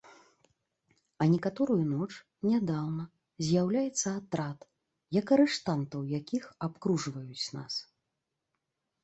А некаторую ноч, нядаўна, з'яўляецца атрад, як арыштантаў якіх абкружваюць нас!